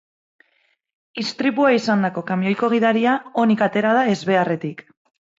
Istripua izandako kamioiko gidaria onik otera da ezbeharretik.